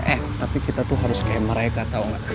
eh tapi kita tuh harus kayak mereka tau gak